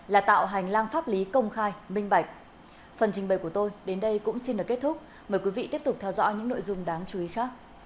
là tạo hành lang pháp lý công khai minh bạch